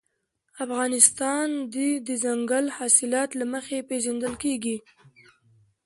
افغانستان د دځنګل حاصلات له مخې پېژندل کېږي.